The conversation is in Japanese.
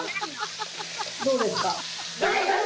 どうですか？